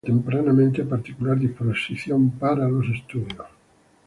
Arquímedes reveló tempranamente particular disposición para los estudios.